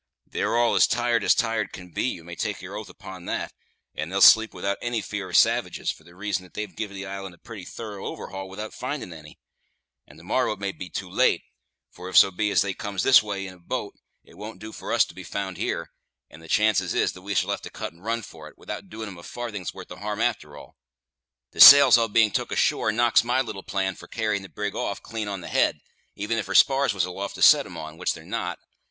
They're all as tired as tired can be, you may take your oath upon that; and they'll sleep without any fear of savages, for the reason that they've give the island a pretty thorough overhaul without findin' any. And to morrow it may be too late; for if so be as they comes this way in a boat, it won't do for us to be found here, and the chances is that we shall have to cut and run for it, without doing 'em a farthing's worth of harm a'ter all. The sails all being took ashore knocks my little plan for carryin' the brig off clean on the head, even if her spars was aloft to set 'em on, which they're not.